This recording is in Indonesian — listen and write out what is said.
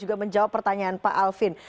juga menjawab pertanyaan pak alvin